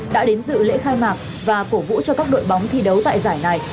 đã đến dự lễ khai mạc và cổ vũ cho các đội bóng thi đấu tại giải này